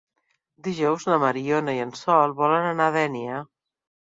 Dijous na Mariona i en Sol volen anar a Dénia.